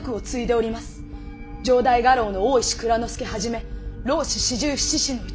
城代家老の大石内蔵助はじめ浪士四十七士のうち